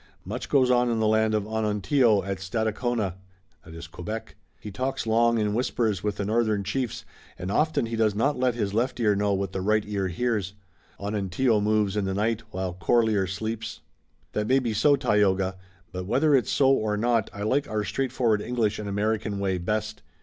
"Much goes on in the land of Onontio at Stadacona (Quebec). He talks long in whispers with the northern chiefs, and often he does not let his left ear know what the right ear hears. Onontio moves in the night, while Corlear sleeps." "That may be so, Tayoga, but whether it's so or not I like our straightforward English and American way best.